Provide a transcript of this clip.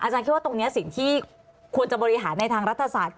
คิดว่าตรงนี้สิ่งที่ควรจะบริหารในทางรัฐศาสตร์